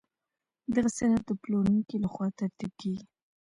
دغه سند د پلورونکي له خوا ترتیب کیږي.